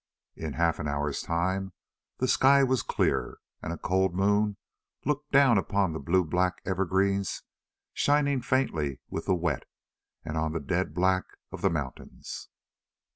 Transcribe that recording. In half an hour's time the sky was clear, and a cold moon looked down on the blue black evergreens, shining faintly with the wet, and on the dead black of the mountains.